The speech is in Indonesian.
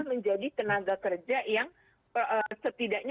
menjadi tenaga kerja yang setidaknya